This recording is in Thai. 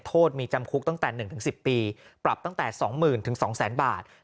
โทษมีจำคุกตั้งแต่๑๑๐ปีปรับตั้งแต่๒๐๐๐๒๐๐๐บาท